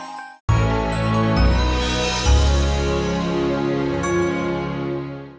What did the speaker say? kita belum bisa menyimpulkan dan mengkutipnya untuk mencapai kebakaran di villa la rosa